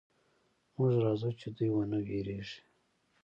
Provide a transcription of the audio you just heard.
موږ راځو چې دوئ ونه وېرېږي.